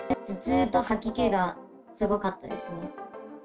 頭痛と吐き気がすごかったですね。